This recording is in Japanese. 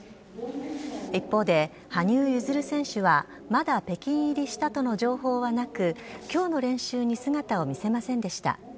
一方で羽生結弦選手はまだ北京入りしたとの情報はなく今日の練習に姿を見せませんでした。